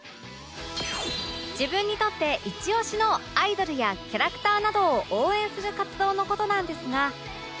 自分にとってイチオシのアイドルやキャラクターなどを応援する活動の事なんですが